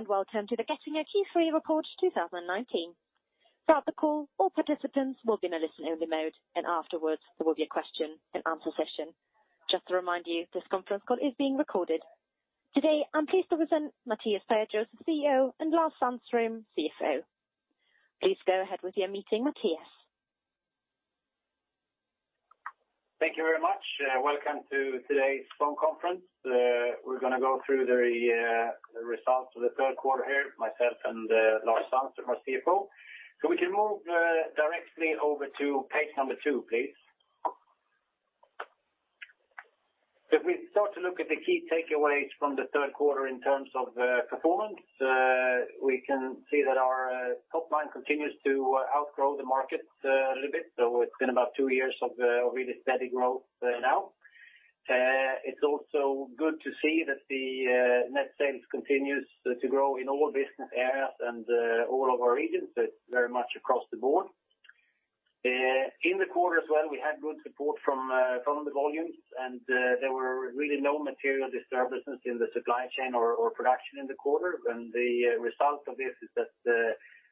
Hello, and welcome to the Getinge Q3 2019 Report. Throughout the call, all participants will be in a listen-only mode, and afterwards, there will be a question and answer session. Just to remind you, this conference call is being recorded. Today, I'm pleased to present Mattias Perjos, CEO, and Lars Sandström, CFO. Please go ahead with your meeting, Mattias. Thank you very much. Welcome to today's phone conference. We're gonna go through the results of the third quarter here, myself and Lars Sandström, our CFO. So we can move directly over to page number two, please. If we start to look at the key takeaways from the third quarter in terms of performance, we can see that our top line continues to outgrow the market a little bit. So it's been about two years of really steady growth now. It's also good to see that the net sales continues to grow in all business areas and all of our regions, so it's very much across the board. In the quarter as well, we had good support from the volumes, and there were really no material disturbances in the supply chain or production in the quarter. The result of this is that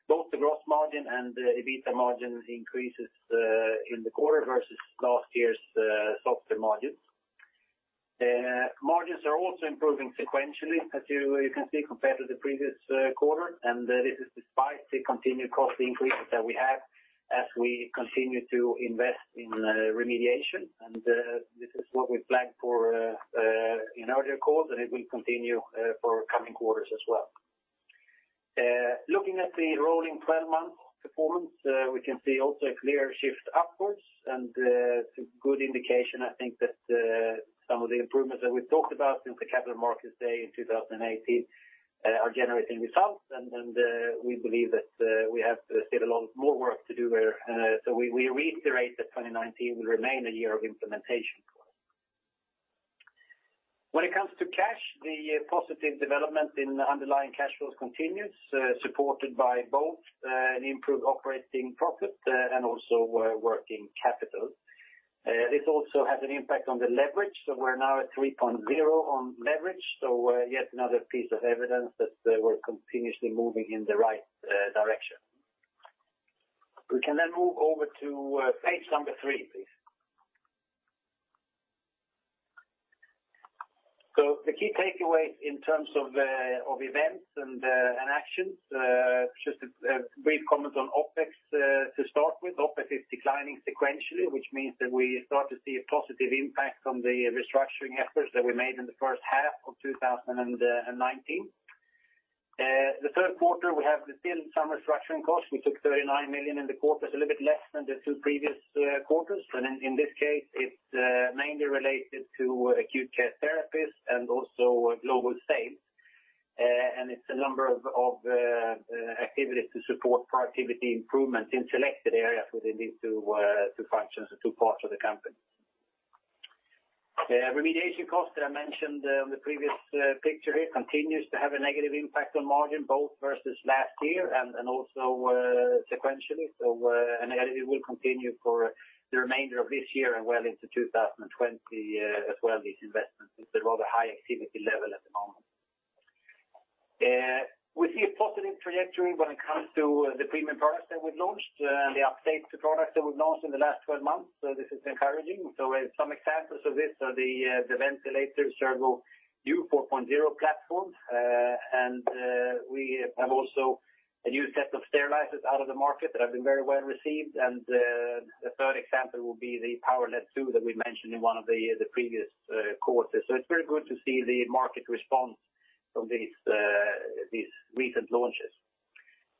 both the gross margin and the EBITDA margin increases in the quarter versus last year's softer margins. Margins are also improving sequentially, as you can see, compared to the previous quarter, and this is despite the continued cost increases that we have as we continue to invest in remediation. This is what we planned for in our year calls, and it will continue for coming quarters as well. Looking at the rolling 12-month performance, we can see also a clear shift upwards, and it's a good indication, I think, that some of the improvements that we've talked about since the Capital Markets Day in 2018 are generating results. And we believe that we have still a lot more work to do there. So we reiterate that 2019 will remain a year of implementation for us. When it comes to cash, the positive development in underlying cash flows continues, supported by both an improved operating profit and also working capital. This also has an impact on the leverage, so we're now at 3.0 on leverage, so yet another piece of evidence that we're continuously moving in the right direction. We can then move over to page number three, please. So the key takeaways in terms of events and actions just a brief comment on OpEx to start with. OpEx is declining sequentially, which means that we start to see a positive impact from the restructuring efforts that we made in the first half of 2019. The third quarter, we have still some restructuring costs. We took 39 million in the quarter, a little bit less than the two previous quarters. And in this case, it's mainly related to Acute Care Therapies and also global sales. And it's a number of activities to support productivity improvement in selected areas within these two functions or two parts of the company. Remediation costs that I mentioned on the previous picture here continues to have a negative impact on margin, both versus last year and also sequentially. So, it will continue for the remainder of this year and well into 2020 as well, these investments. It's a rather high activity level at the moment. We see a positive trajectory when it comes to the premium products that we've launched, the updated products that we've launched in the last 12 months. So this is encouraging. So some examples of this are the ventilator Servo-u 4.0 platform. And we have also a new set of sterilizers out on the market that have been very well received. The third example will be the Polaris 2 that we mentioned in one of the previous quarters. So it's very good to see the market response from these recent launches.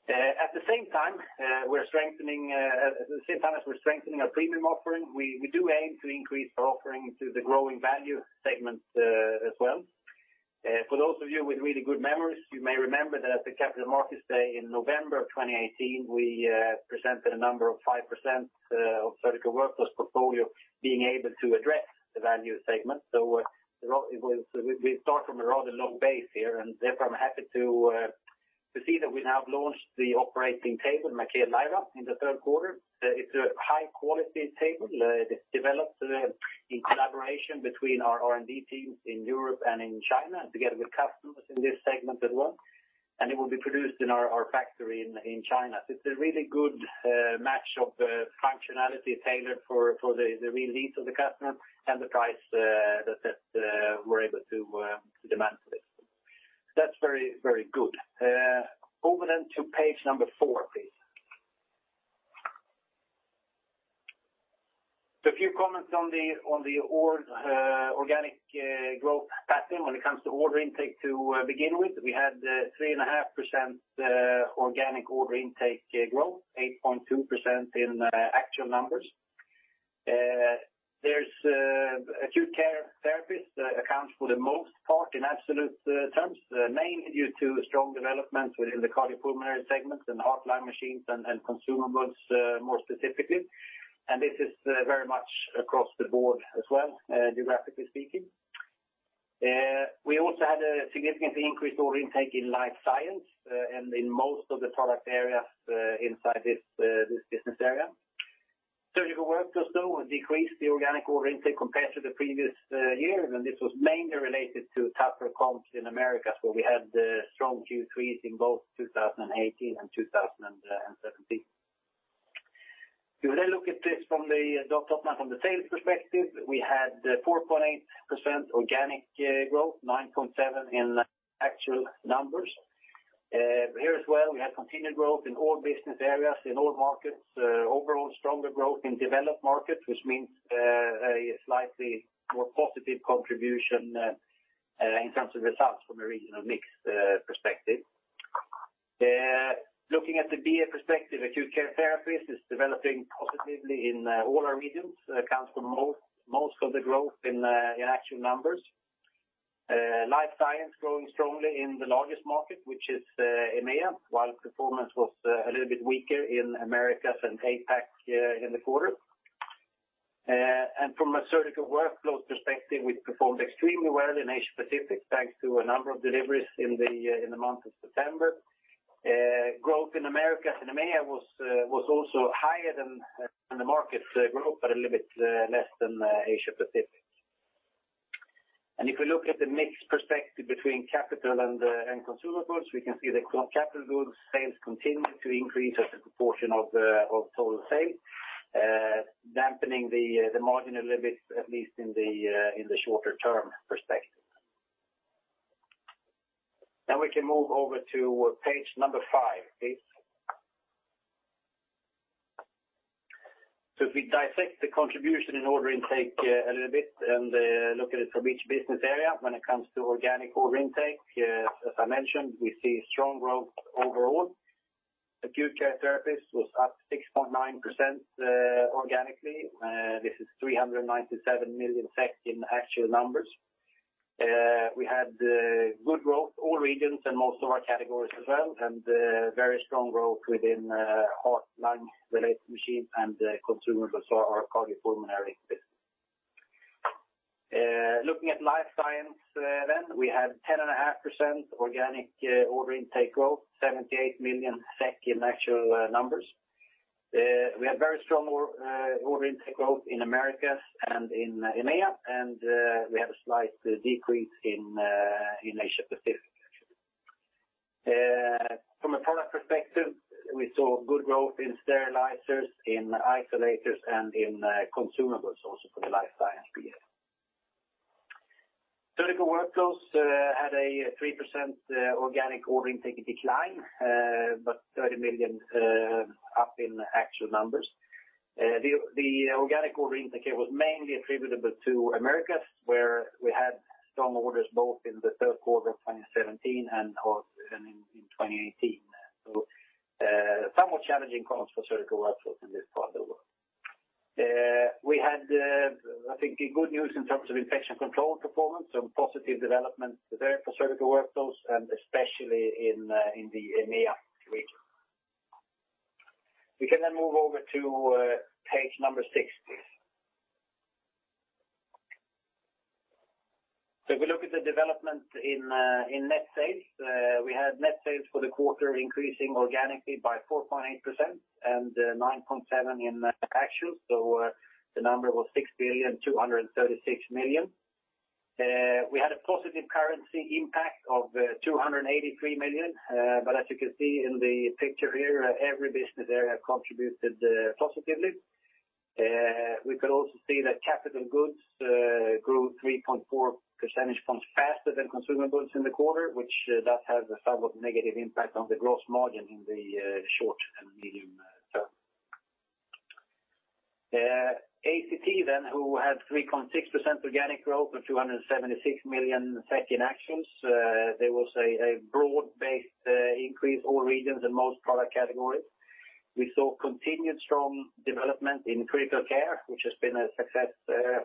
At the same time as we're strengthening our premium offering, we do aim to increase our offering to the growing value segment, as well. For those of you with really good memories, you may remember that at the Capital Markets Day in November of 2018, we presented a number of 5% of Surgical Workflows portfolio being able to address the value segment. So, we start from a rather low base here, and therefore, I'm happy to see that we have launched the operating table, Maquet Lyra, in the third quarter. It's a high-quality table, developed in collaboration between our R&D teams in Europe and in China, together with customers in this segment as well, and it will be produced in our factory in China. It's a really good match of functionality tailored for the real needs of the customer and the price that we're able to demand for this. That's very, very good. Over then to page number four, please. So a few comments on the organic growth pattern when it comes to order intake to begin with. We had 3.5% organic order intake growth, 8.2% in actual numbers. There's acute care therapies accounts for the most part in absolute terms, mainly due to strong developments within the cardiopulmonary segment and heart lung machines and consumables, more specifically. This is very much across the board as well, geographically speaking. We also had a significantly increased order intake in Life Science, and in most of the product areas inside this business area. Surgical Workflows though, decreased the organic order intake compared to the previous years, and this was mainly related to tougher comps in Americas, where we had the strong Q3s in both 2018 and 2017. If we then look at this from the top line from the sales perspective, we had 4.8% organic growth, 9.7 in actual numbers. Here as well, we had continued growth in all business areas, in all markets. Overall, stronger growth in developed markets, which means a slightly more positive contribution in terms of results from a regional mix perspective. Looking at the BA perspective, Acute Care Therapies is developing positively in all our regions, accounts for most of the growth in actual numbers. Life Science growing strongly in the largest market, which is EMEA, while performance was a little bit weaker in Americas and APAC in the quarter. And from a Surgical Workflows perspective, we performed extremely well in Asia Pacific, thanks to a number of deliveries in the month of September. Growth in America and EMEA was also higher than the market growth, but a little bit less than Asia Pacific. And if you look at the mix perspective between capital and consumer goods, we can see the capital goods sales continue to increase as a proportion of total sales, dampening the margin a little bit, at least in the shorter term perspective. Now we can move over to page number five, please. So if we dissect the contribution in order intake a little bit and look at it from each business area when it comes to organic order intake, as I mentioned, we see strong growth overall. Acute Care Therapies was up 6.9% organically. This is 397 million SEK in actual numbers. We had good growth, all regions and most of our categories as well, and very strong growth within heart, lung-related machines and consumables or our cardiopulmonary business. Looking at Life Science then, we had 10.5% organic order intake growth, 78 million SEK in actual numbers. We had very strong order intake growth in Americas and in EMEA, and we had a slight decrease in Asia Pacific. From a product perspective, we saw good growth in sterilizers, in isolators, and in consumables also for the Life Science BA. Surgical Workflows had a 3% organic order intake decline, but 30 million SEK up in actual numbers. The organic order intake here was mainly attributable to Americas, where we had strong orders both in the third quarter of 2017 and in 2018. So, somewhat challenging comps for Surgical Workflows in this part of the world. We had, I think, good news in terms of Infection Control performance, so positive development there for Surgical Workflows, and especially in the EMEA region. We can then move over to page six, please. So if we look at the development in net sales, we had net sales for the quarter increasing organically by 4.8% and 9.7% in actual. So, the number was 6,236 million. We had a positive currency impact of 283 million, but as you can see in the picture here, every business area contributed positively. We could also see that capital goods grew 3.4 percentage points faster than consumable goods in the quarter, which does have a somewhat negative impact on the gross margin in the short and medium term. ACT then, who had 3.6% organic growth of 276 million in actions, there was a broad-based increase all regions and most product categories. We saw continued strong development in critical care, which has been a success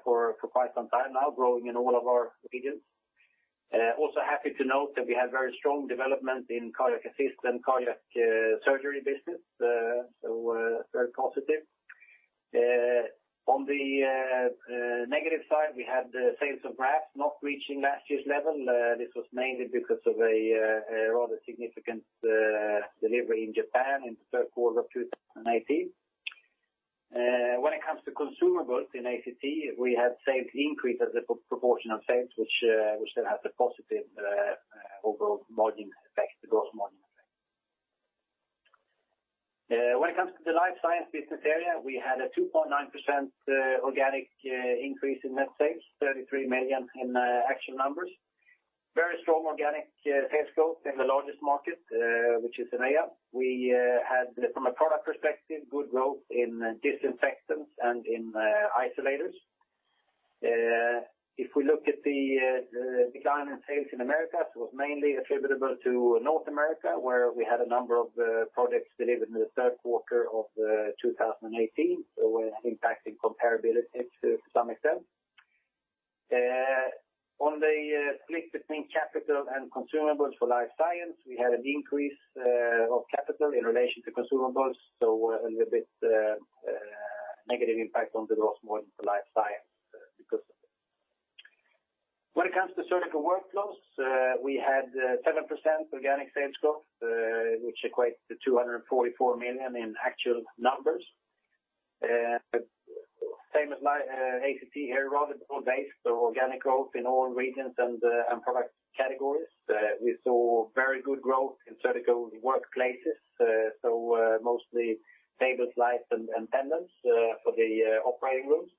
for quite some time now, growing in all of our regions. Also happy to note that we have very strong development in cardiac assist and cardiac surgery business, so very positive. On the negative side, we had the sales of grafts not reaching last year's level. This was mainly because of a rather significant delivery in Japan in the third quarter of 2018. When it comes to consumables in ACT, we had sales increase as a proportion of sales, which then has a positive overall margin effect, the gross margin effect. When it comes to the Life Science business area, we had a 2.9% organic increase in net sales, 33 million in actual numbers. Very strong organic sales growth in the largest market, which is EMEA. We had, from a product perspective, good growth in disinfectants and in isolators. If we look at the decline in sales in Americas, it was mainly attributable to North America, where we had a number of projects delivered in the third quarter of 2018, so impacting comparability to some extent. On the split between capital and consumables for Life Science, we had an increase of capital in relation to consumables, so a little bit negative impact on the Gross Margin for Life Science. When it comes to Surgical Workflows, we had 10% organic sales growth, which equates to 244 million in actual numbers. Same as, like, ACT here, rather good base, so organic growth in all regions and product categories. We saw very good growth in Surgical Workflows. Mostly [inaudible] in the operating rooms.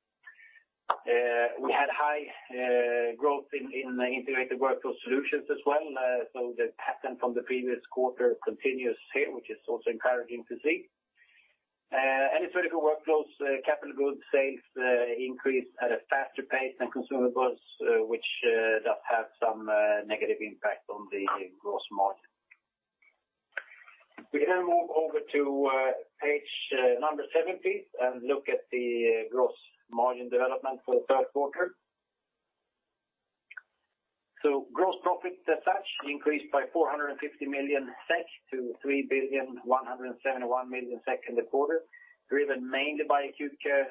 We had high growth in the Integrated Workflow Solutions as well. The pattern from the previous quarter continues here, which is also encouraging to see. In Surgical Workflows, capital goods sales increased at a faster pace than consumables, which does have some negative impact on the gross margin. We can move over to page seven, please, and look at the gross margin development for the first quarter. Gross profit as such increased by 450 million SEK to 3,171 million SEK in the quarter, driven mainly by Acute Care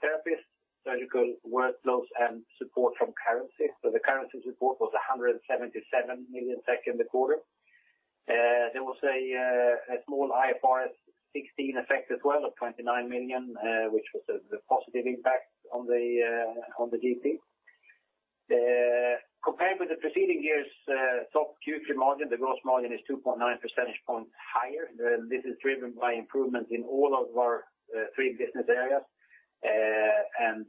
Therapies, Surgical Workflows, and support from currency. So the currency support was 177 million in the quarter. There was a small IFRS 16 effect as well of 29 million, which was the positive impact on the GP. Compared with the preceding years, top Q3 margin, the gross margin is 2.9 percentage points higher. This is driven by improvement in all of our three business areas. And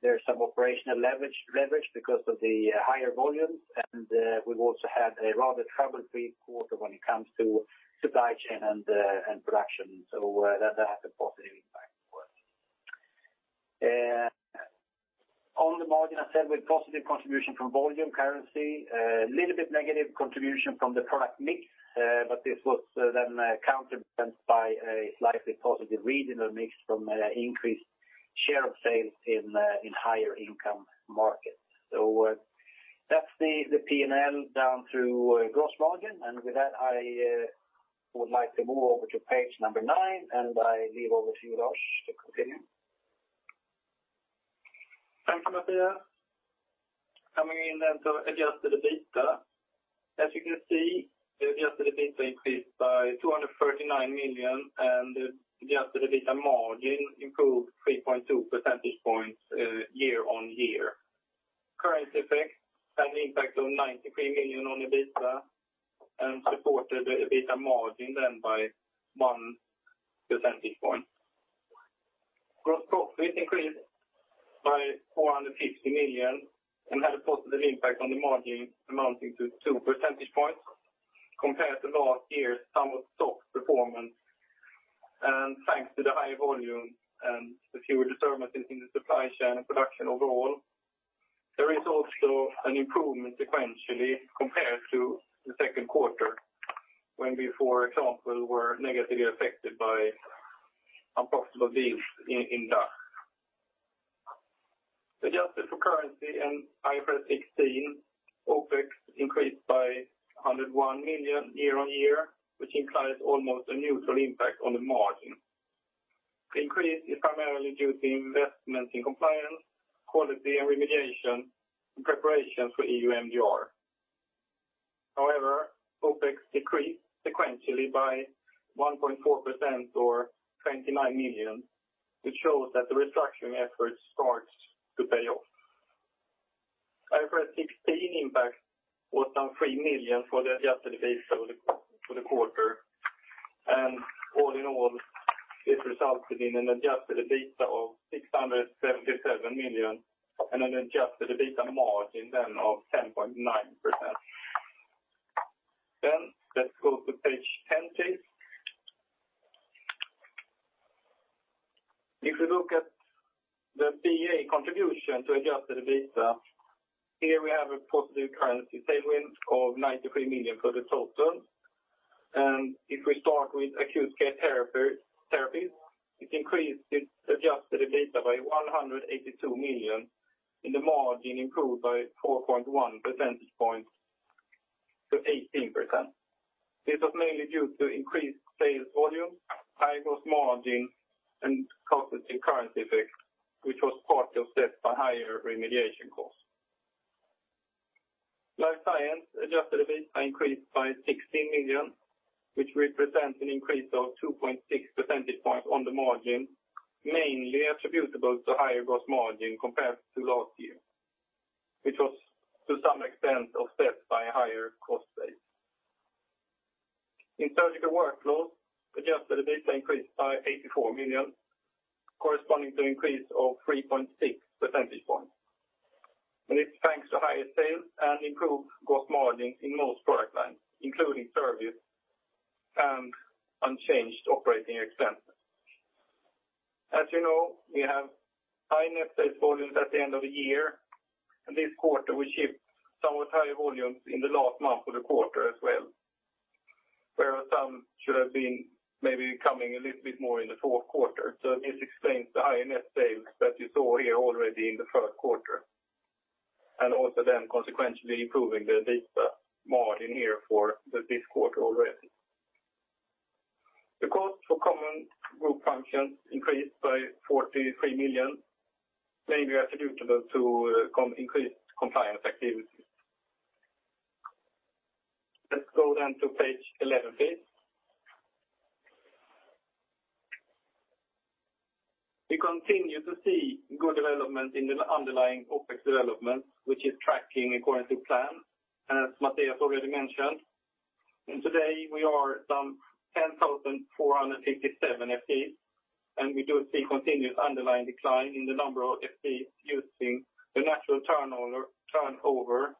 there's some operational leverage because of the higher volumes, and we've also had a rather trouble-free quarter when it comes to supply chain and production. So that has a positive impact as well. On the margin, I said, with positive contribution from volume, currency, a little bit negative contribution from the product mix, but this was then counterbalanced by a slightly positive regional mix from increased share of sales in higher income markets. So, that's the, the P&L down through gross margin. And with that, I would like to move over to page number nine, and I leave over to you, Lars, to continue. Thank you, Mattias. Coming in then to Adjusted EBITDA. As you can see, the Adjusted EBITDA increased by 239 million, and the Adjusted EBITDA margin improved 3.2 percentage points year-on-year. Currency effects had an impact of 93 million on EBITDA and supported the EBITDA margin then by 1 percentage point. Gross profit increased by 450 million and had a positive impact on the margin amounting to 2 percentage points compared to last year's somewhat soft performance. And thanks to the high volume and the fewer disturbances in the supply chain and production overall, there is also an improvement sequentially compared to the second quarter, when we, for example, were negatively affected by unprofitable deals in DACH. Adjusted for currency and IFRS 16, OpEx increased by 101 million year-on-year, which implies almost a neutral impact on the margin. Increase is primarily due to investments in compliance, quality, and remediation in preparation for EU MDR. However, OpEx decreased sequentially by 1.4% or 29 million, which shows that the restructuring effort starts to pay off. IFRS 16 impact was some SEK 3 million for the Adjusted EBITDA for the, for the quarter. And all in all, this resulted in an Adjusted EBITDA of 677 million, and an Adjusted EBITDA margin then of 10.9%. Then let's go to page ten, please. If you look at the BA contribution to Adjusted EBITDA, here we have a positive currency tailwind of 93 million for the total. And if we start with Acute Care Therapies, it increased its Adjusted EBITDA by 182 million, and the margin improved by 4.1 percentage points to 18%. This was mainly due to increased sales volume, high gross margin, and constant currency effect, which was partly offset by higher remediation costs. Life Science Adjusted EBITDA increased by 60 million, which represents an increase of 2.6 percentage points on the margin, mainly attributable to higher gross margin compared to last year, which was to some extent offset by a higher cost base. In Surgical Workflows, Adjusted EBITDA increased by 84 million, corresponding to increase of 3.6 percentage points. And it's thanks to higher sales and improved gross margin in most product lines, including service and unchanged operating expenses. As you know, we have high net sales volumes at the end of the year, and this quarter, we shipped somewhat higher volumes in the last month of the quarter as well, where some should have been maybe coming a little bit more in the fourth quarter. So this explains the high net sales that you saw here already in the first quarter, and also then consequentially improving the EBITDA margin here for this quarter already. The cost for common group functions increased by 43 million, mainly attributable to increased compliance activities. Let's go then to page eleven, please. We continue to see good development in the underlying OpEx development, which is tracking according to plan, as Mattias already mentioned. Today, we are some 10,457 FTEs, and we do see continuous underlying decline in the number of FTEs using the natural turnover, turnover,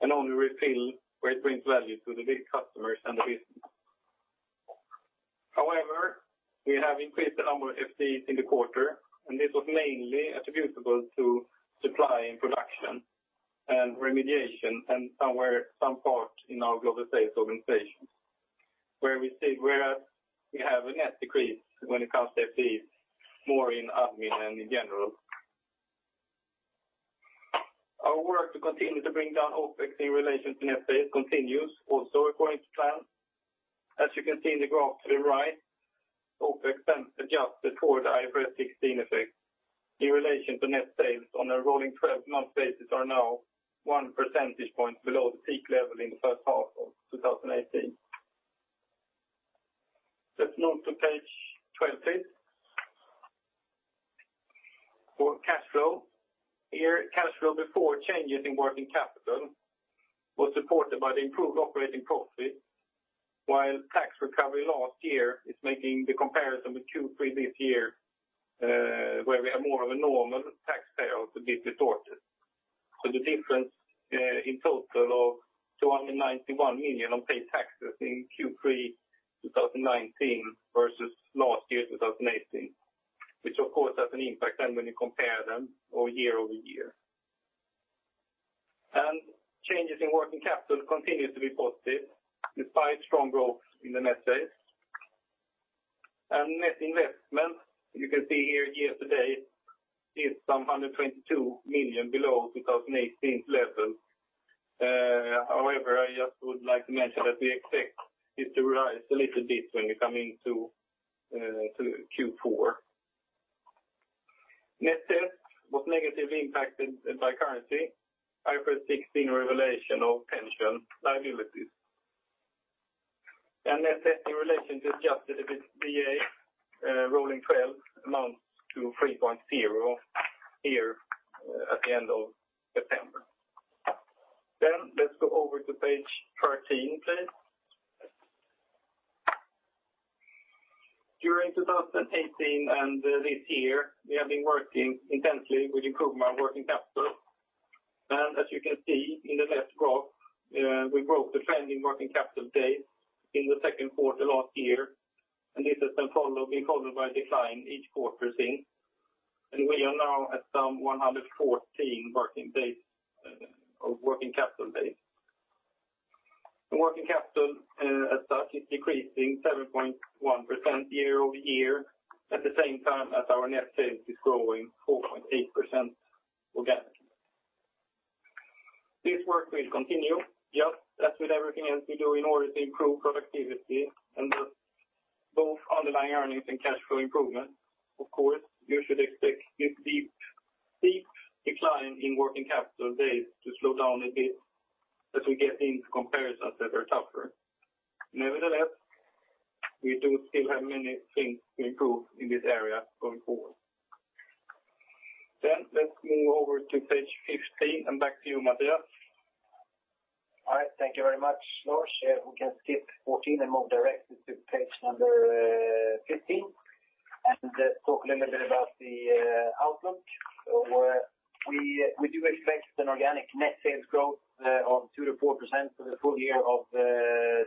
and only refill where it brings value to the big customers and the business. However, we have increased the number of FTEs in the quarter, and this was mainly attributable to supply and production, and remediation, and somewhere, some part in our global sales organization, where we see- where we have a net decrease when it comes to FTEs, more in admin and in general. Our work to continue to bring down OpEx in relation to net sales continues, also according to plan. As you can see in the graph to the right, OpEx expense adjusted for the IFRS 16 effect in relation to net sales on a rolling twelve-month basis are now 1 percentage point below the peak level in the first half of 2018. Let's move to page 20. For cash flow, here, cash flow before changes in working capital was supported by the improved operating profit, while tax recovery last year is making the comparison with Q3 this year, where we have more of a normal tax paid to be distorted. So the difference, in total of 291 million on paid taxes in Q3 2019 versus last year, 2018, which, of course, has an impact then when you compare them year-over-year. Changes in working capital continues to be positive despite strong growth in the net sales. Net investment, you can see here year-to-date, is 122 million below 2018 level. However, I just would like to mention that we expect it to rise a little bit when you come into Q4. Net sales was negatively impacted by currency, IFRS 16 revaluation of pension liabilities. Net debt in relation to Adjusted EBITDA, rolling twelve amounts to 3.0 here at the end of September. Let's go over to page 13, please. During 2018 and this year, we have been working intensely with improvement working capital. As you can see in the left graph, we broke the trending working capital days in the second quarter last year, and this has been followed by decline each quarter since. We are now at some 114 working capital days. The working capital, as such, is decreasing 7.1% year-over-year, at the same time as our net sales is growing 4.8% organically. This work will continue, just as with everything else we do in order to improve productivity and the both underlying earnings and cash flow improvement. Of course, you should expect this deep, deep decline in working capital days to slow down a bit as we get into comparisons that are tougher. Nevertheless, we do still have many things to improve in this area going forward. Let's move over to page 15, and back to you, Mattias. All right. Thank you very much, Lars. We can skip 14 and move directly to page number 15, and talk a little bit about the outlook. So we do expect an organic net sales growth of 2%-4% for the full year of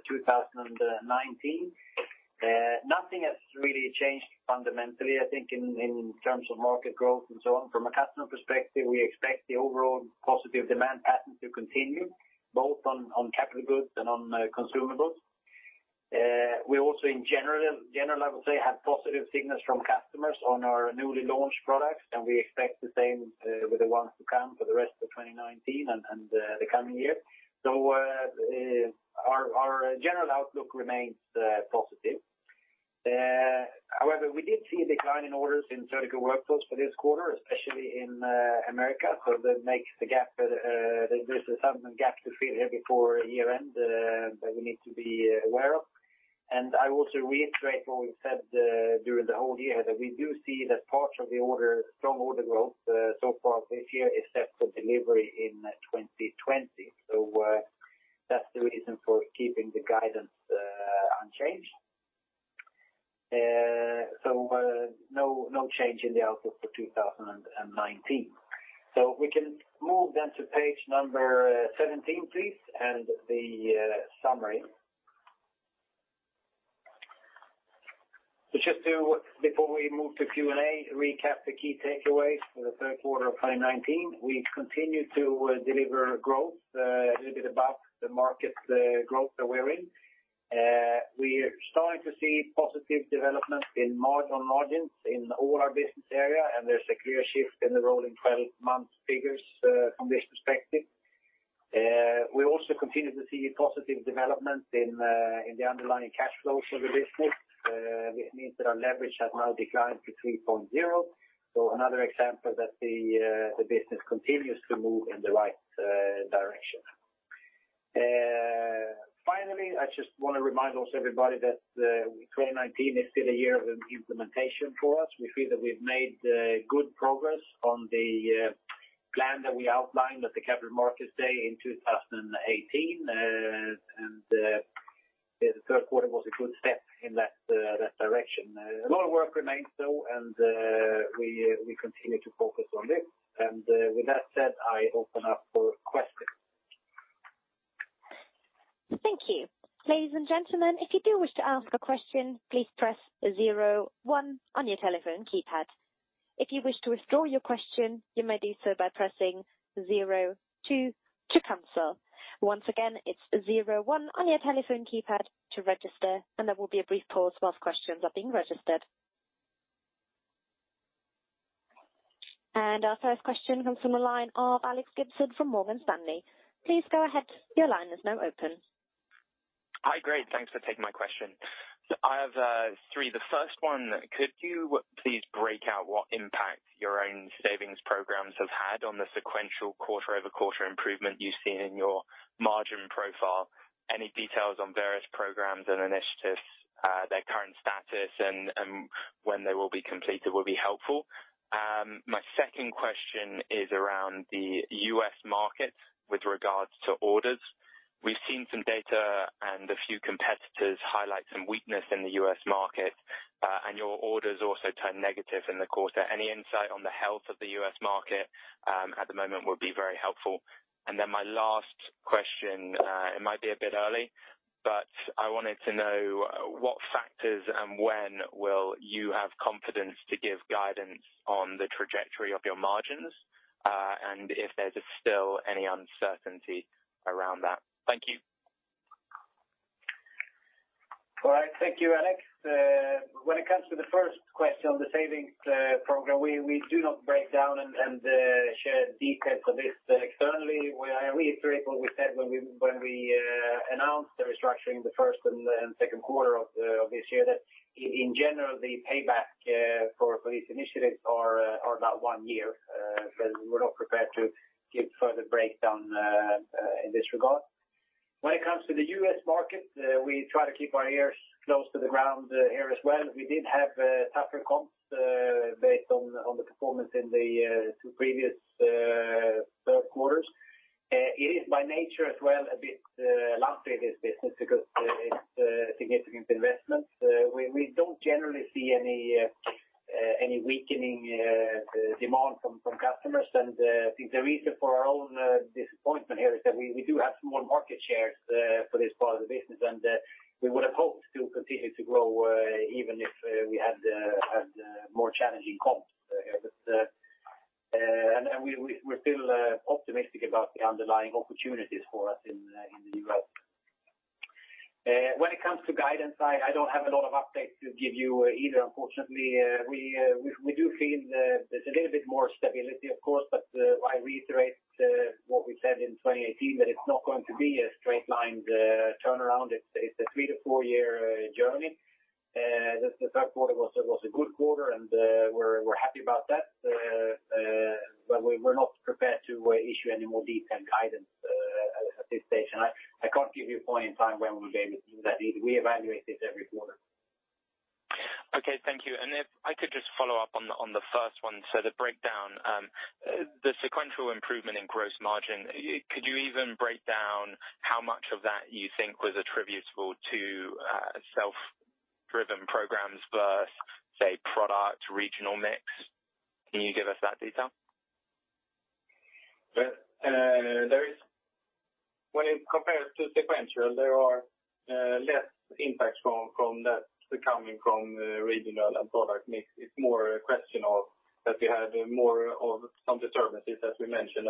2019. Nothing has really changed fundamentally, I think, in terms of market growth and so on. From a customer perspective, we expect the overall positive demand pattern to continue, both on capital goods and on consumables. We also, in general, I would say, have positive signals from customers on our newly launched products, and we expect the same with the ones who come for the rest of 2019 and the coming year. So our general outlook remains positive. However, we did see a decline in orders in Surgical Workflows for this quarter, especially in America. So that makes the gap; there's some gap to fill here before year-end, that we need to be aware of. And I also reiterate what we said during the whole year, that we do see that parts of the order, strong order growth, so far this year is set for delivery in 2020. So that's the reason for keeping the guidance unchanged. So no, no change in the outlook for 2019. So we can move then to page number 17, please, and the summary. So just to, before we move to Q&A, recap the key takeaways for the third quarter of 2019. We continue to deliver growth, a little bit above the market growth that we're in. We are starting to see positive development in margin margins in all our business area, and there's a clear shift in the rolling twelve-month figures, from this perspective. We also continue to see positive development in the underlying cash flows for the business. This means that our leverage has now declined to 3.0. So another example that the business continues to move in the right direction. Finally, I just want to remind also everybody that 2019 is still a year of implementation for us. We feel that we've made good progress on the plan that we outlined at the Capital Markets Day in 2018. The third quarter was a good step in that direction. A lot of work remains though, and we continue to focus on this. And with that said, I open up for questions. Thank you. Ladies and gentlemen, if you do wish to ask a question, please press zero one on your telephone keypad. If you wish to withdraw your question, you may do so by pressing zero two to cancel. Once again, it's zero one on your telephone keypad to register, and there will be a brief pause while questions are being registered. And our first question comes from the line of Alex Gibson from Morgan Stanley. Please go ahead. Your line is now open. Hi, great. Thanks for taking my question. So I have three. The first one, could you please break out what impact your own savings programs have had on the sequential quarter-over-quarter improvement you've seen in your margin profile? Any details on various programs and initiatives, their current status and when they will be completed, will be helpful. My second question is around the U.S. market with regards to orders. We've seen some data and a few competitors highlight some weakness in the U.S. market, and your orders also turned negative in the quarter. Any insight on the health of the U.S. market at the moment would be very helpful. And then my last question, it might be a bit early, but I wanted to know what factors and when will you have confidence to give guidance on the trajectory of your margins, and if there's still any uncertainty around that? Thank you. All right. Thank you, Alex. When it comes to the first question on the savings program, we do not break down and share details of this externally. I reiterate what we said when we announced the restructuring the first and second quarter of this year, that in general, the payback for these initiatives are about one year. But we're not prepared to give further breakdown in this regard. When it comes to the U.S. market, we try to keep our ears close to the ground here as well. We did have tougher comps based on the performance in the two previous third quarters. It is by nature as well a bit lumpy, this business, because it's significant investments. We don't generally see any weakening demand from customers. And I think the reason for our own disappointment here is that we do have some more market shares for this part of the business, and we would have hoped to continue to grow even if we had had more challenging comps here. But we're still optimistic about the underlying opportunities for us in the U.S. When it comes to guidance, I don't have a lot of updates to give you either, unfortunately. We do feel there's a little bit more stability, of course, but I reiterate what we said in 2018, that it's not going to be a straight line turnaround. It's a three-to-four-year journey. The third quarter was a good quarter, and we're happy about that. But we're not prepared to issue any more detailed guidance at this stage. I can't give you a point in time when we'll be able to do that. We evaluate this every quarter. Okay, thank you. And if I could just follow up on the, on the first one, so the breakdown, the sequential improvement in gross margin, could you even break down how much of that you think was attributable to, self-driven programs versus, say, product, regional mix? Can you give us that detail? Well, there is, when it compares to sequential, there are less impacts from that coming from regional and product mix. It's more a question of that we had more of some disturbances, as we mentioned, in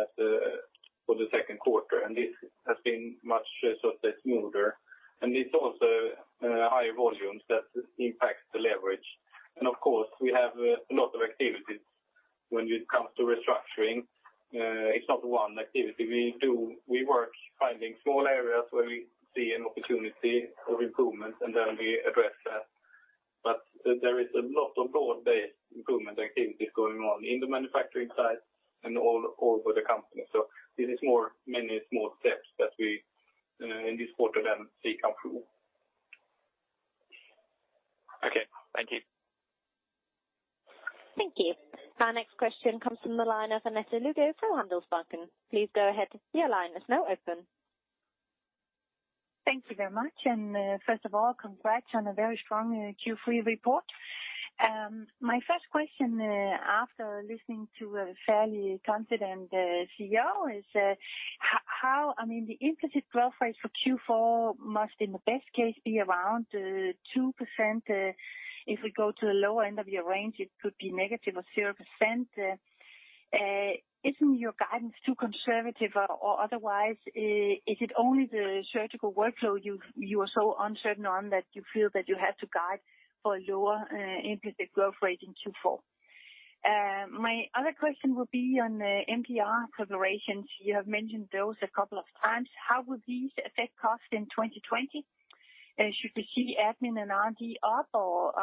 the second quarter, and this has been much, so to say, smoother. And it's also higher volumes that impact the leverage. And of course, we have a lot of activities when it comes to restructuring. It's not one activity. We work finding small areas where we see an opportunity for improvement, and then we address that. But there is a lot of broad-based improvement activities going on in the manufacturing side and all over the company. So this is more, many small steps that we in this quarter then see come through. Okay, thank you. Thank you. Our next question comes from the line of Annette Lykke from Handelsbanken. Please go ahead, your line is now open. Thank you very much. First of all, congrats on a very strong Q3 report. My first question, after listening to a fairly confident CEO, is, how... I mean, the implicit growth rate for Q4 must, in the best case, be around 2%. If we go to the lower end of your range, it could be negative or 0%. Isn't your guidance too conservative, or otherwise, is it only the Surgical Workflows you are so uncertain on, that you feel that you have to guide for a lower implicit growth rate in Q4? My other question will be on the MDR preparations. You have mentioned those a couple of times. How will these affect costs in 2020? Should we see admin and R&D up, or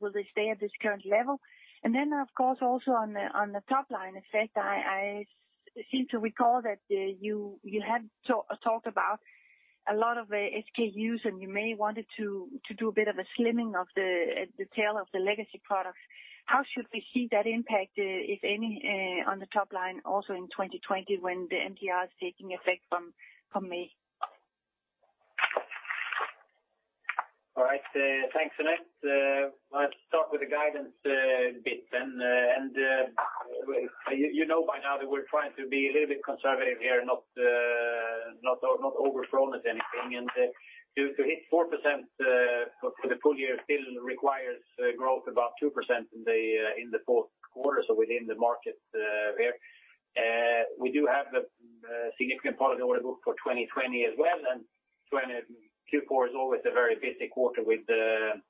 will they stay at this current level? Then, of course, also on the top line effect, I seem to recall that you had talked about a lot of SKUs, and you may wanted to do a bit of a slimming of the tail of the legacy products. How should we see that impact, if any, on the top line, also in 2020, when the MPR is taking effect from May? All right. Thanks, Annette. I'll start with the guidance bit. And you know by now that we're trying to be a little bit conservative here, not overpromise anything. And to hit 4% for the full year still requires growth about 2% in the fourth quarter, so within the market here. We do have the significant part of the order book for 2020 as well, and 2020 Q4 is always a very busy quarter with the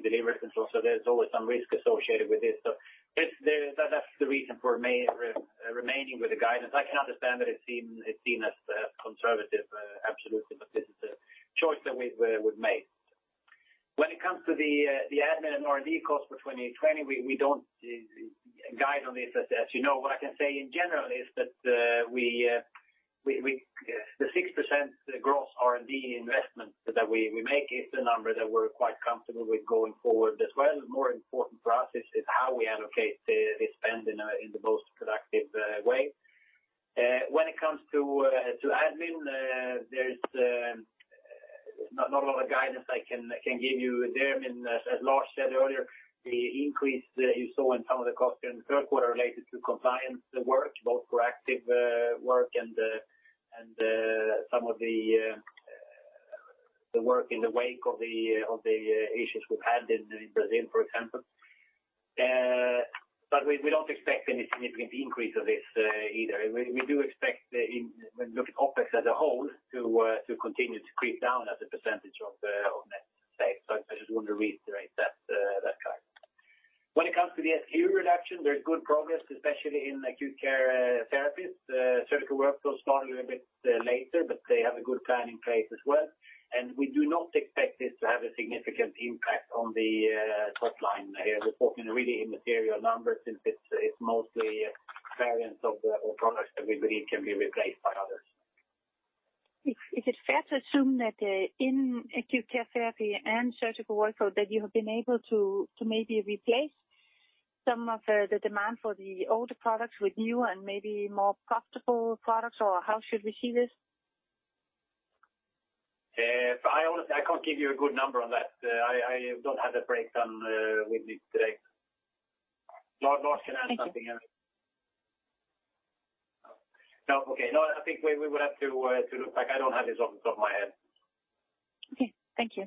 deliveries and so on, so there's always some risk associated with this. So it's that that's the reason for me remaining with the guidance. I can understand that it's seen as conservative absolutely, but this is a choice that we've made. When it comes to the admin and R&D cost for 2020, we don't guide on this. As you know, what I can say in general is that the 6% growth R&D investment that we make is the number that we're quite comfortable with going forward, as well as more important for us is how we allocate the spend in the most productive way. When it comes to admin, there's not a lot of guidance I can give you there. I mean, as Lars said earlier, the increase that you saw in some of the costs in the third quarter related to compliance work, both proactive work and some of the work in the wake of the issues we've had in Brazil, for example. But we don't expect any significant increase of this either. We do expect that when looking at OpEx as a whole, it will continue to creep down as a percentage of net sales. So I just want to reiterate that guide. When it comes to the SKU reduction, there's good progress, especially in Acute Care Therapies. Surgical Workflows started a little bit later, but they have a good plan in place as well, and we do not expect this to have a significant impact on the top line here. We're talking really immaterial numbers, since it's, it's mostly variants of products that we believe can be replaced by others. Is it fair to assume that in Acute Care Therapies and Surgical Workflows, you have been able to maybe replace some of the demand for the older products with new and maybe more profitable products, or how should we see this? I honestly can't give you a good number on that. I don't have the breakdown with me today. Lars can add something else. Thank you. No. Okay, no, I think we would have to look back. I don't have this off the top of my head. Okay. Thank you.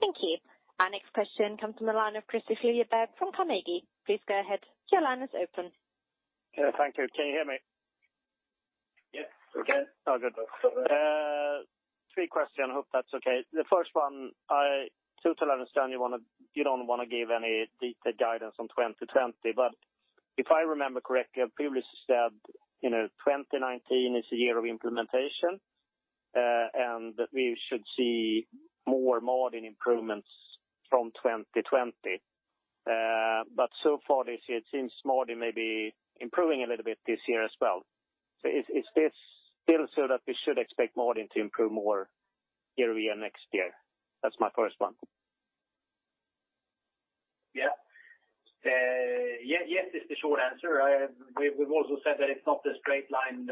Thank you. Our next question comes from the line of Kristofer Liljeberg from Carnegie. Please go ahead. Your line is open. Yeah, thank you. Can you hear me? Yes. Okay. Oh, good. Three questions. I hope that's okay. The first one, I totally understand you wanna—you don't wanna give any detailed guidance on 2020, but if I remember correctly, you previously said, you know, 2019 is the year of implementation, and that we should see more margin improvements from 2020. But so far this year, it seems margin may be improving a little bit this year as well. So is this still so that we should expect margin to improve more year over year, next year? That's my first one. Yeah. Yes, yes, is the short answer. We've also said that it's not a straight line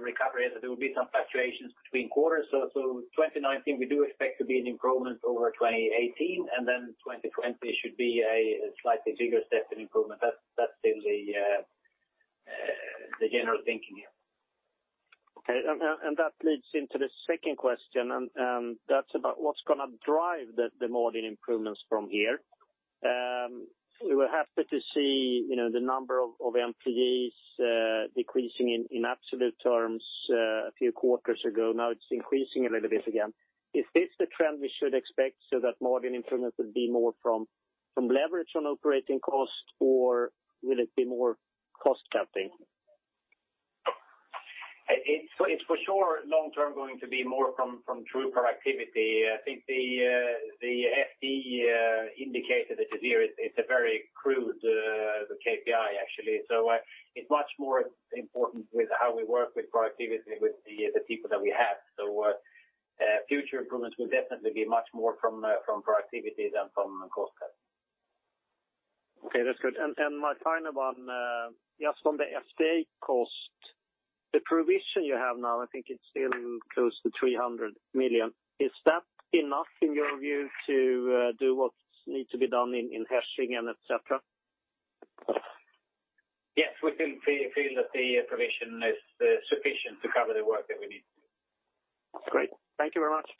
recovery, that there will be some fluctuations between quarters. So 2019, we do expect to be an improvement over 2018, and then 2020 should be a slightly bigger step in improvement. That's still the general thinking, yeah. Okay. And that leads into the second question, and that's about what's gonna drive the margin improvements from here. We were happy to see, you know, the number of employees decreasing in absolute terms a few quarters ago. Now, it's increasing a little bit again. Is this the trend we should expect, so that margin improvements will be more from leverage on operating costs, or will it be more cost cutting? It's for sure, long term, going to be more from true productivity. I think the FTE indicator that is here, it's a very crude KPI, actually. So it's much more important with how we work with productivity, with the people that we have. So, future improvements will definitely be much more from productivity than from cost cutting. Okay, that's good. And, and my final one, just on the FTE cost, the provision you have now, I think it's still close to 300 million. Is that enough, in your view, to do what need to be done in? [inaudible] Yes, we still feel that the provision is sufficient to cover the work that we need to do. Great. Thank you very much.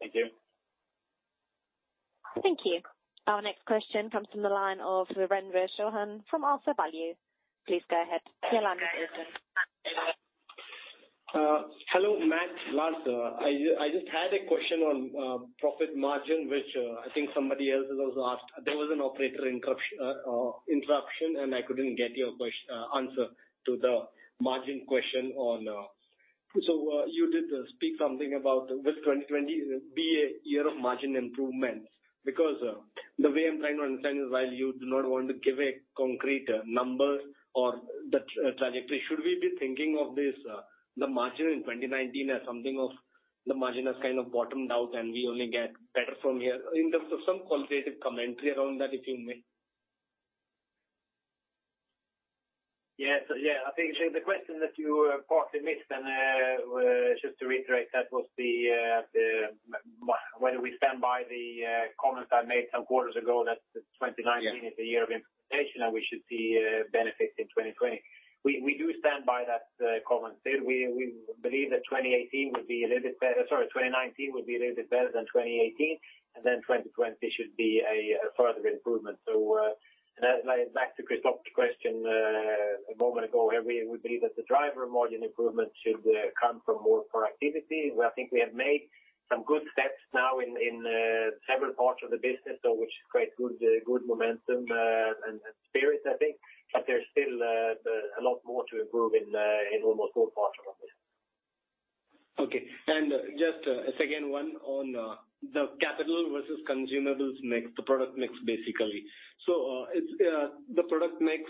Thank you. Thank you. Our next question comes from the line of Ravi Shukla from AlphaValue. Please go ahead. Your line is open.... hello, Mattias, Lars. I just had a question on profit margin, which I think somebody else has also asked. There was an operator interruption, and I couldn't get your answer to the margin question on... So, you did speak something about will 2020 be a year of margin improvements? Because the way I'm trying to understand is while you do not want to give a concrete number or the trajectory, should we be thinking of this, the margin in 2019 as something of the margin has kind of bottomed out, and we only get better from here? In terms of some quantitative commentary around that, if you may. Yes. Yeah, I think the question that you partly missed, and just to reiterate, that was the whether we stand by the comments I made some quarters ago, that 2019- Yeah [is the year of implementation, and we should see benefits in 2020. We do stand by that comment. Still, we believe that 2018 would be a little bit better... Sorry, 2019 will be a little bit better than 2018, and then 2020 should be a further improvement. So, and then back to Christophe's question a moment ago, where we believe that the driver margin improvement should come from more productivity. Where I think we have made some good steps now in several parts of the business, so which is quite good, good momentum, and spirit, I think. But there's still a lot more to improve in almost all parts of the business. Okay. And just a second one on, the capital versus consumables mix, the product mix, basically. So, it's, the product mix,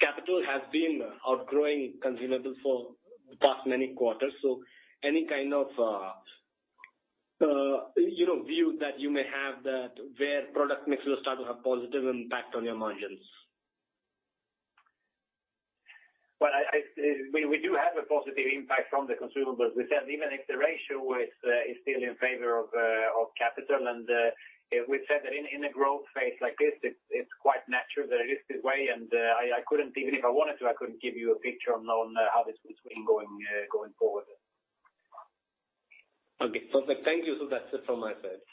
capital has been outgrowing consumables for the past many quarters, so any kind of, you know, view that you may have that where product mix will start to have positive impact on your margins? Well, we do have a positive impact from the consumables. We said, even if the ratio is still in favor of capital, and we've said that in a growth phase like this, it's quite natural that it is this way, and I couldn't, even if I wanted to, give you a picture on how this will be going forward. Okay, perfect. Thank you. So that's it from my side.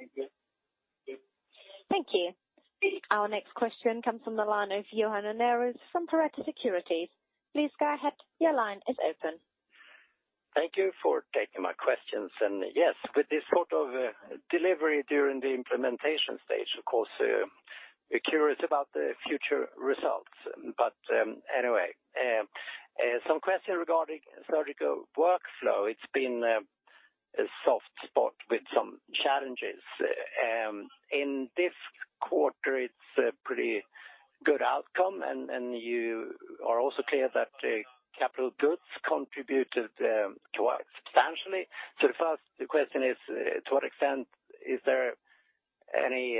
Thank you. Thank you. Our next question comes from the line of Johan Unnérus from Pareto Securities. Please go ahead, your line is open. Thank you for taking my questions. And, yes, with this sort of, delivery during the implementation stage, of course, we're curious about the future results. But, anyway, some question regarding Surgical Workflow. It's been, a soft spot with some challenges. In this quarter, it's a pretty good outcome, and, and you are also clear that the capital goods contributed, quite substantially. So the first, the question is, to what extent is there any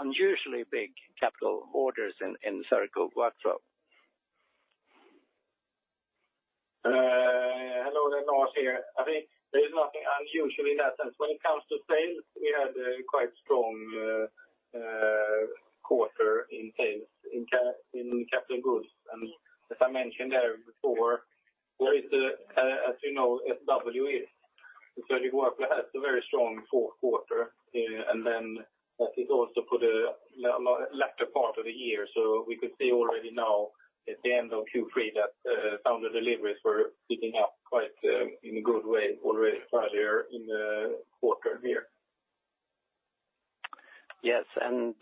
unusually big capital orders in, Surgical Workflow? Hello, that's Lars here. I think there is nothing unusual in that sense. When it comes to sales, we had a quite strong quarter in sales, in capital goods. And as I mentioned there before, there is a, as you know, SW is, the Surgical Workflows has a very strong fourth quarter, and then that is also for the latter part of the year. So we could see already now, at the end of Q3, that some of the deliveries were picking up quite in a good way already earlier in the quarter here. Yes, and,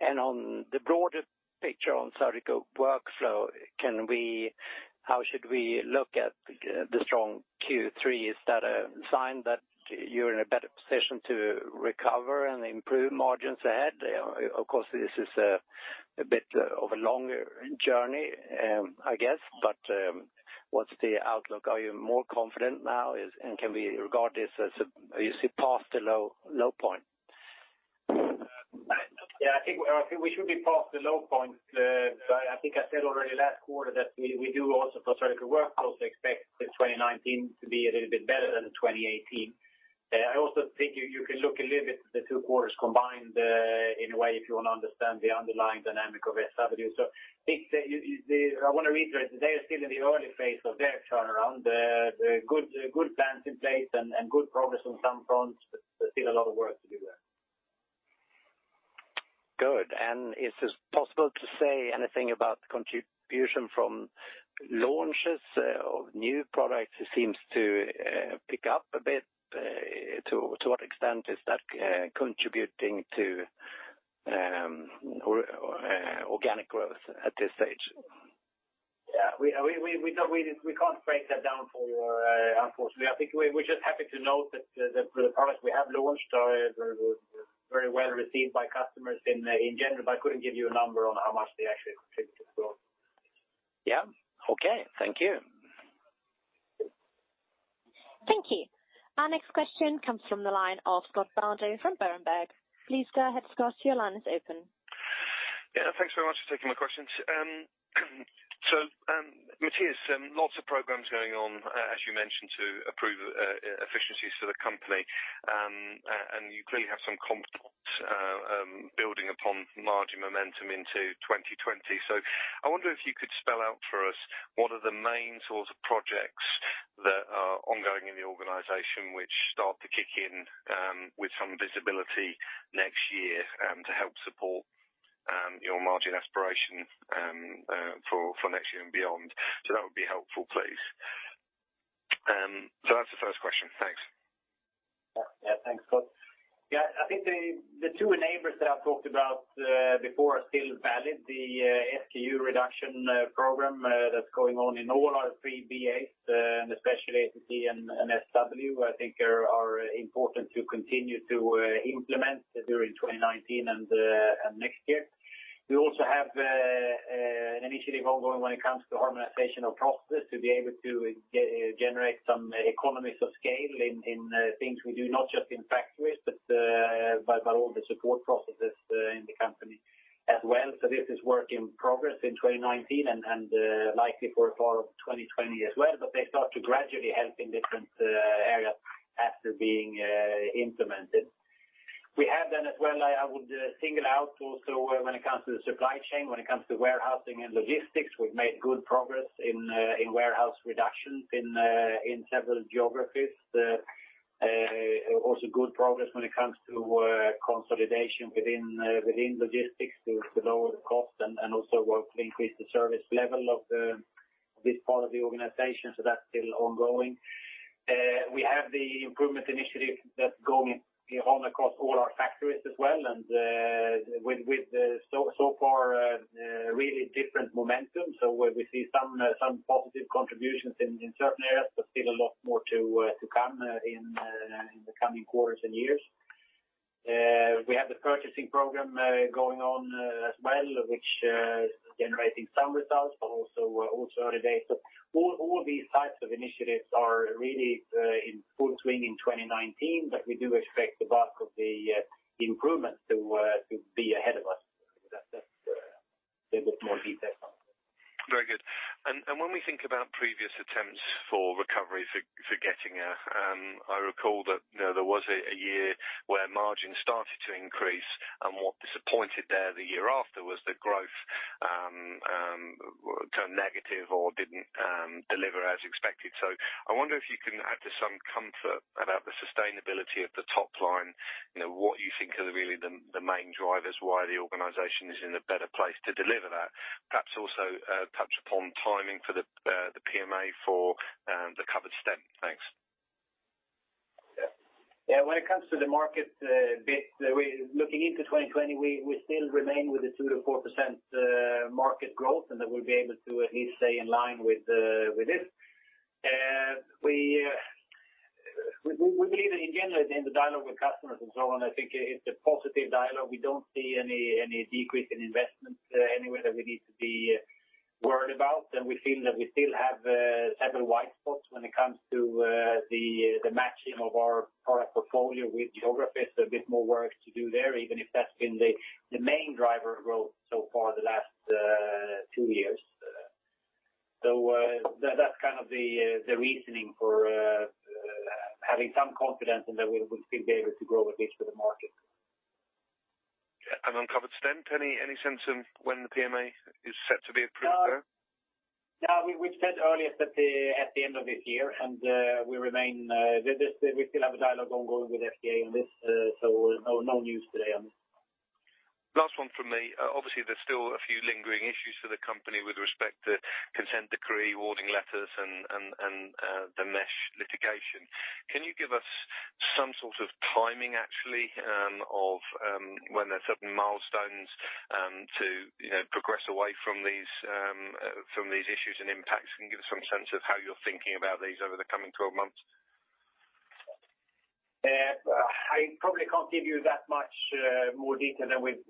and on the broader picture on Surgical Workflows, can we, how should we look at the strong Q3? Is that a sign that you're in a better position to recover and improve margins ahead? Of course, this is a bit of a longer journey, I guess. But, what's the outlook? Are you more confident now? Is, and can we regard this as you see past the low point? Yeah, I think we should be past the low point. I think I said already last quarter that we do also, for Surgical Workflows, expect the 2019 to be a little bit better than 2018. I also think you can look a little bit at the two quarters combined, in a way, if you want to understand the underlying dynamic of SW. So I think the—I want to reiterate, they are still in the early phase of their turnaround. There are good plans in place and good progress on some fronts, but there's still a lot of work to do there. Good. And is it possible to say anything about contribution from launches of new products? It seems to pick up a bit. To what extent is that contributing to organic growth at this stage? Yeah, we can't break that down for you, unfortunately. I think we're just happy to note that the products we have launched are very well received by customers in general, but I couldn't give you a number on how much they actually contribute to growth. Yeah. Okay, thank you. Thank you. Our next question comes from the line of Scott Sheridan from Berenberg. Please go ahead, Scott, your line is open. Yeah, thanks very much for taking my questions. So, Mattias, lots of programs going on, as you mentioned, to improve efficiencies to the company. And you clearly have some confidence building upon margin momentum into 2020. So I wonder if you could spell out for us what are the main sorts of projects that are ongoing in the organization which start to kick in with some visibility next year to help support your margin aspiration for next year and beyond. So that would be helpful, please. So that's the first question. Thanks. Yeah, thanks, Scott. Yeah, I think the two enablers that I've talked about before are still valid. The SKU reduction program that's going on in all our 3 BAs and especially ACT and SW, I think are important to continue to implement during 2019 and next year. We also have an initiative ongoing when it comes to harmonization of processes, to be able to generate some economies of scale in things we do, not just in factories, but by all the support processes in the company as well. So this is work in progress in 2019 and likely for first half of 2020 as well. But they start to gradually help in different areas after being implemented. We have then as well, I would single out also when it comes to the supply chain, when it comes to warehousing and logistics, we've made good progress in warehouse reductions in several geographies. Also good progress when it comes to consolidation within logistics to lower the cost and also work to increase the service level of this part of the organization. So that's still ongoing. We have the improvement initiative that's going on across all our factories as well, and with so far really different momentum. So we see some positive contributions in certain areas, but still a lot more to come in the coming quarters and years. We have the purchasing program going on as well, which is generating some results, but also early days. So all these types of initiatives are really in full swing in 2019, but we do expect the bulk of the improvement to be ahead of us. That's a little bit more detail. Very good. And when we think about previous attempts for recovery, for Getinge, I recall that, you know, there was a year where margins started to increase, and what disappointed there the year after was the growth turned negative or didn't deliver as expected. So I wonder if you can add to some comfort about the sustainability of the top line, you know, what you think are really the main drivers, why the organization is in a better place to deliver that? Perhaps also touch upon timing for the PMA for the covered stent. Thanks. Yeah. When it comes to the market, bit, we Looking into 2020, we still remain with a 2%-4% market growth, and that we'll be able to at least stay in line with this. We believe that, again, in the dialogue with customers and so on, I think it's a positive dialogue. We don't see any decrease in investment anywhere that we need to be worried about. And we feel that we still have several white spots when it comes to the matching of our product portfolio with geographies. A bit more work to do there, even if that's been the main driver of growth so far the last two years. So, that's kind of the reasoning for having some confidence in that we'll still be able to grow at least with the market. Yeah. And on covered stent, any, any sense of when the PMA is set to be approved there? Yeah, we said earlier that at the end of this year, and we remain, we still have a dialogue ongoing with FDA on this, so no news today on. Last one from me. Obviously, there's still a few lingering issues for the company with respect to Consent Decree, warning letters, and the mesh litigation. Can you give us some sort of timing, actually, of when there are certain milestones, to you know, progress away from these, from these issues and impacts? Can you give us some sense of how you're thinking about these over the coming 12 months? I probably can't give you that much more detail than we've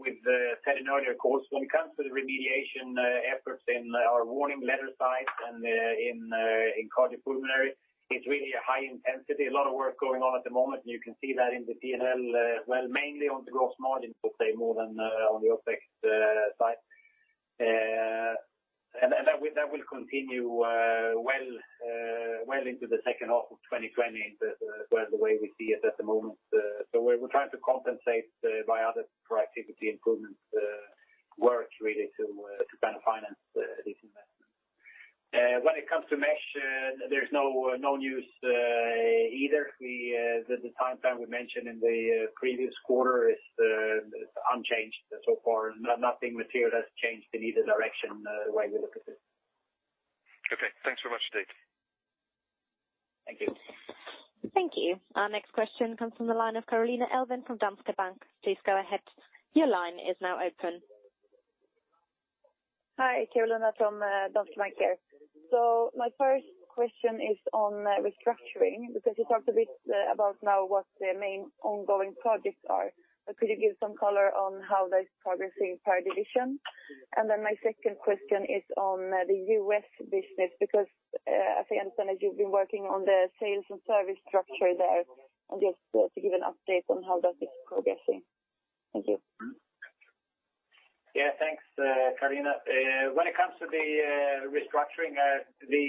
said in earlier calls. When it comes to the remediation efforts in our Warning Letter side and in cardiopulmonary, it's really a high intensity. A lot of work going on at the moment, and you can see that in the P&L, well, mainly on the Gross Margin, but say more than on the OpEx side. And that will continue well into the second half of 2020, as well, the way we see it at the moment. So we're trying to compensate by other productivity improvements, work really to kind of finance these investments. When it comes to mesh, there's no news either. We, the time frame we mentioned in the previous quarter is unchanged so far. Nothing material has changed in either direction, the way we look at it. Okay. Thanks so much, [Dave]. Thank you. Thank you. Our next question comes from the line of Carolina Elvind from Danske Bank. Please go ahead. Your line is now open. Hi, Carolina from Danske Bank here. My first question is on restructuring, because you talked a bit about now what the main ongoing projects are. Could you give some color on how that is progressing per division? Then my second question is on the U.S. business, because as I understand it, you've been working on the sales and service structure there, and just to give an update on how that is progressing. Thank you. Yeah. Thanks, Carolina. When it comes to the restructuring, the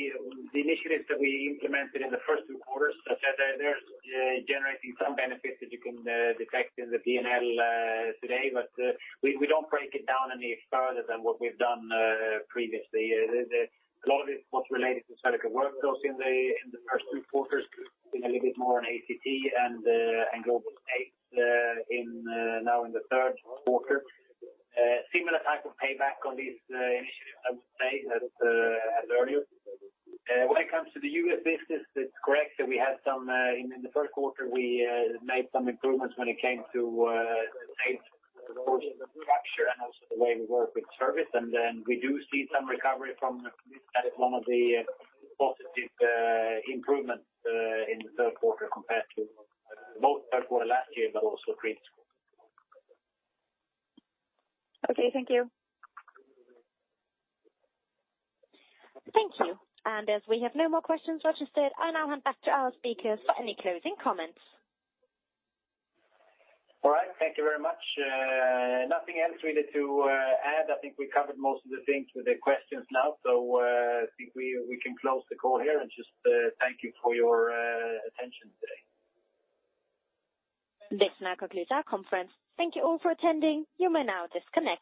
initiatives that we implemented in the first two quarters, such as there's generating some benefits that you can detect in the P&L today, but we don't break it down any further than what we've done previously. A lot of it was related to Surgical Workflows in the first two quarters, a little bit more on ACT and global [inaudible] now in the third quarter. Similar type of payback on these initiatives, I would say, as earlier. When it comes to the U.S. business, it's correct that we had some, in the first quarter, we made some improvements when it came to [sale] structure and also the way we work with service. And then we do see some recovery from that, is one of the positive improvements in the third quarter compared to both third quarter last year, but also previous quarter. Okay. Thank you. Thank you. As we have no more questions registered, I now hand back to our speakers for any closing comments. All right. Thank you very much. Nothing else really to add. I think we covered most of the things with the questions now, so I think we can close the call here and just thank you for your attention today. This now concludes our conference. Thank you all for attending. You may now disconnect.